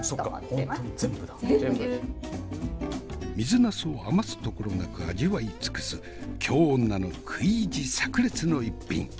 水ナスを余すところなく味わい尽くす京女の食い意地炸裂の逸品。